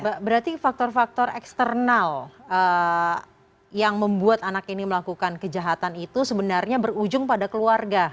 mbak berarti faktor faktor eksternal yang membuat anak ini melakukan kejahatan itu sebenarnya berujung pada keluarga